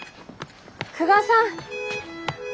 久我さん。